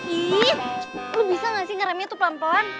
ih lu bisa gak sih ngeram yaitu pelan pelan